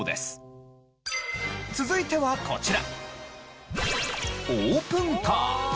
続いてはこちら。